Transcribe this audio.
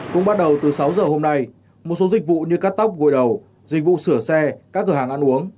cũng bắt đầu từ sáu giờ hôm nay một số dịch vụ như cắt tóc gội đầu dịch vụ sửa xe các cửa hàng ăn uống